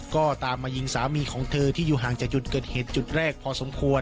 ก็ตามมายิงสามีของเธอที่อยู่ห่างจากจุดเกิดเหตุจุดแรกพอสมควร